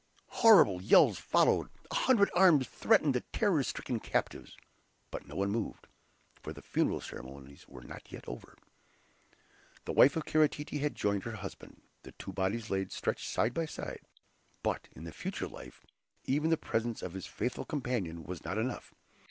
Horrible yells followed; a hundred arms threatened the terror stricken captives. But no one moved, for the funeral ceremonies were not yet over. The wife of Kara Tete had joined her husband. The two bodies lay stretched side by side. But in the future life, even the presence of his faithful companion was not enough.